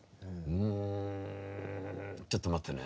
うんちょっと待ってね。